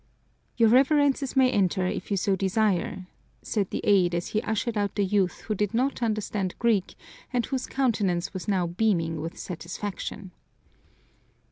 "Your Reverences may enter, if you so desire," said the aide as he ushered out the youth who did not understand Greek and whose countenance was now beaming with satisfaction.